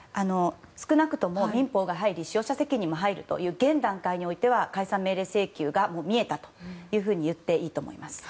少なくとも民法が入り使用者責任も入るという現段階においては解散命令請求が見えたと言っていいと思います。